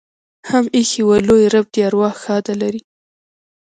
هم ایښي وه. لوى رب دې ارواح ښاده لري.